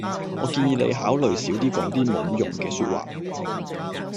我建議你考慮少啲講啲冇乜用嘅說話